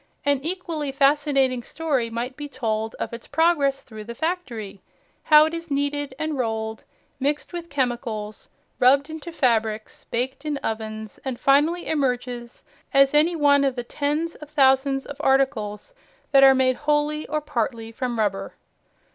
An equally fascinating story might be told of its progress through the factory, how it is kneaded and rolled, mixed with chemicals, rubbed into fabrics, baked in ovens, and finally emerges as any one of the tens of thousands of articles that are made wholly or partly from rubber.